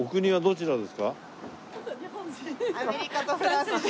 アメリカとフランス人。